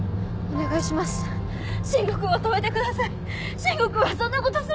お願いします！